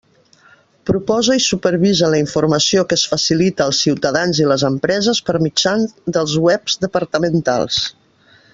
Proposa i supervisa la informació que es facilita als ciutadans i les empreses per mitjà dels webs departamentals.